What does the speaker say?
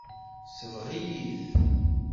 Tesbeɣ-iyi-t.